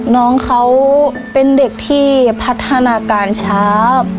น้องเขาเป็นเด็กที่พัฒนาการช้า